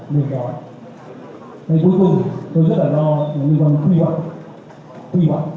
ngày cuối cùng tôi rất là lo về lựa chọn quy hoạch quy hoạch